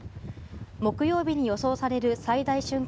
木曜日に予想される最大瞬間